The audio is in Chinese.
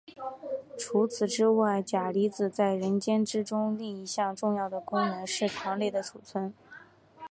除此之外钾离子在人体之中另一项重要的功能是糖类的储存。